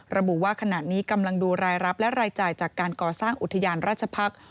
ระบุว่าขณะนี้กำลังดูรายรับและรายจ่ายจากการก่อสร้างอุทยานราชพักษ์